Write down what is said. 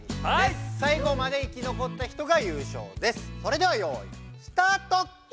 それではよいスタート！